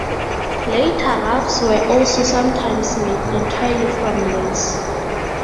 Later ruffs were also sometimes made entirely from lace.